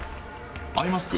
アイマスク？